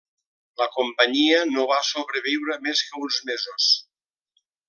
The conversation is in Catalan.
La companyia no va sobreviure més que uns mesos.